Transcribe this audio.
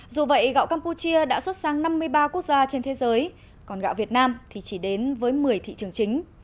dù vậy gạo campuchia đã xuất sang năm mươi ba quốc gia trên thế giới còn gạo việt nam thì chỉ đến với một mươi thị trường chính